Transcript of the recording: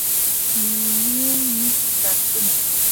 میین، میین لاسونه